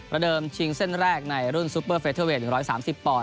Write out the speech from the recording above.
ระเดิมชิงเส้นแรกในรุ่นซูเปอร์เฟเทอร์เวท๑๓๐ปอนด